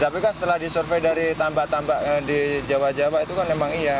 tapi kan setelah disurvey dari tambak tambak di jawa jawa itu kan memang iya